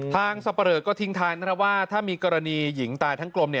ทางสัปเปิดก็ทิ้งทานนะครับว่าถ้ามีกรณีหญิงตายทั้งกลม